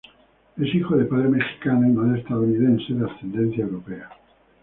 Es hijo de padre mexicano y madre estadounidense de ascendencia europea.